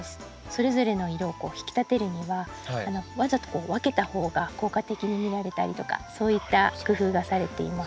それぞれの色を引き立てるにはわざと分けたほうが効果的に見られたりとかそういった工夫がされています。